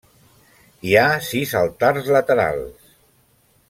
Hi ha sis altars laterals.